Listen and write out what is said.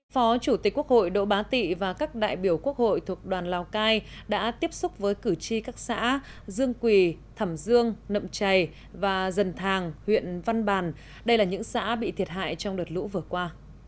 phó chủ tịch quốc hội đỗ bá tị và các đại biểu quốc hội thuộc đoàn lào cai đã tiếp xúc với cử tri các xã dương quỳ thẩm dương nậm chày và dần thàng huyện văn bàn đây là những xã bị thiệt hại trong đợt lũ vừa qua